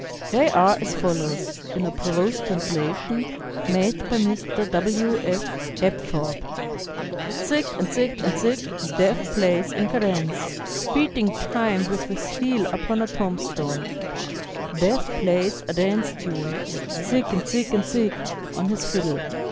They are as follows (in a prose translation made by Mr. W. F. Apthorp): "Zig and Zig and Zig, Death plays in cadence, Beating time with his heel upon a tombstone; Death plays a dance tune, Zig and Zig and Zig, on his fiddle.